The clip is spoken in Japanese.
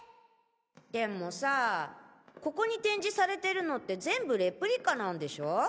でもさぁここに展示されてるのって全部レプリカなんでしょ？